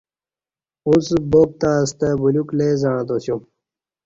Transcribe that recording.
اُݩڅ باک تہ اہ ستہ بلیوک لئ زعں تاسیوم